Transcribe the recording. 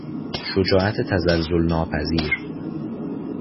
شجاعت تزلزل ناپذیر